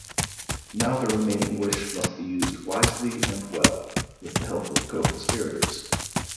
Now the remaining wish must be used wisely and well--with the help of co-conspirators.